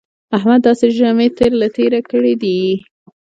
احمد داسې ژامې تر له تېرې کړې دي